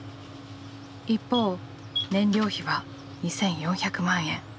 一方燃料費は２，４００万円。